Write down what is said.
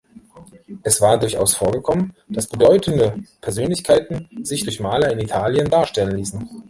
Es war durchaus vorgekommen, dass bedeutende Persönlichkeiten sich durch Maler in Italien darstellen ließen.